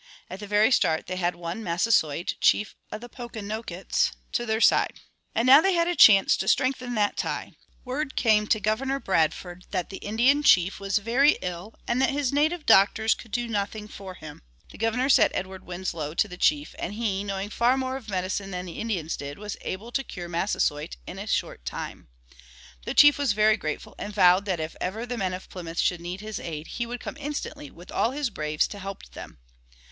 At the very start they had won Massasoit, chief of the Pokanokets, to their side, and now they had a chance to strengthen that tie. Word came to Governor Bradford that the Indian chief was very ill and that his native doctors could do nothing for him. The Governor sent Edward Winslow to the chief, and he, knowing far more of medicine than the Indians did, was able to cure Massasoit in a short time. The chief was very grateful and vowed that if ever the men of Plymouth should need his aid he would come instantly with all his braves to help them.